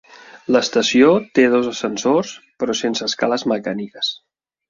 L'estació té dos ascensors però sense escales mecàniques.